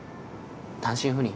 単身赴任？